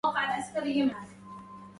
إن قال لا قالها للآمريه بها